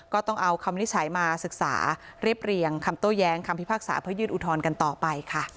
ก็ต้องเอาคำวินิจฉัยมาศึกษาเรียบเรียงคำโต้แย้งคำพิพากษาเพื่อยื่นอุทธรณ์กันต่อไปค่ะ